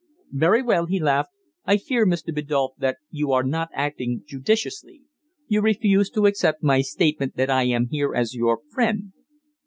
"Very well," he laughed. "I fear, Mr. Biddulph, that you are not acting judiciously. You refuse to accept my statement that I am here as your friend!"